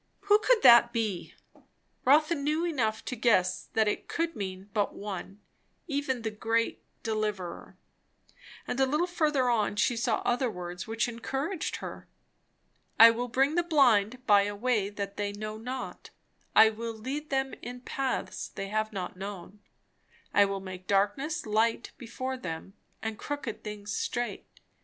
Who could that be? Rotha knew enough to guess that it could mean but one, even the great Deliverer. And a little further on she saw other words which encouraged her. "I will bring the blind by a way that they know not; I will lead them in paths they have not known; I will make darkness light before them, and crooked things straight.